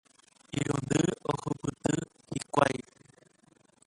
Irundy ohupyty hikuái.